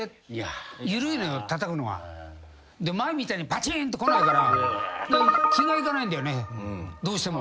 前みたいにバチン！と来ないから気がいかないんだよねどうしても。